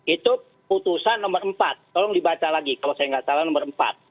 itu putusan nomor empat tolong dibaca lagi kalau saya nggak salah nomor empat